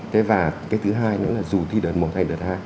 thế và cái thứ hai nữa là dù thi đợt một thay đợt hai